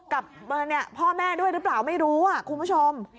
กับเอ่อเนี่ยพ่อแม่ด้วยรึเปล่าไม่รู้อ่ะคุณผู้ชม